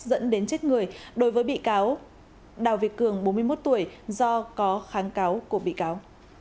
dẫn đến chết người đối với bị cáo đào việt cường bốn mươi một tuổi do có kháng cáo của bị cáo